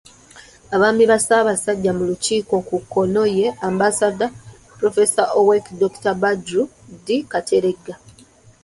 Abaami ba Ssaabasajja mu Lukiiko, ku kkono ye Ambassador Prof. Owek. Dr. Badru D. Kateregga.